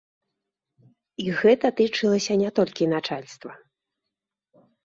І гэта тычылася не толькі начальства.